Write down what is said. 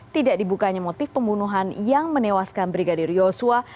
tidak dibukanya motif pembunuhan yang menewaskan brigadir yosua